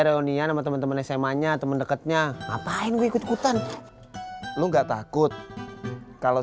reunian sama teman teman sma nya teman deketnya ngapain ikut ikutan lu nggak takut kalau